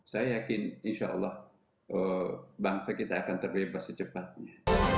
saya yakin insya allah bangsa kita akan terbebas secepatnya